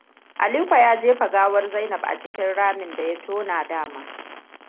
Aliko ya jefa gawar Zainab a cikin rami daya tona dama.